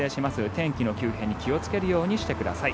天気の急変に気をつけるようにしてください。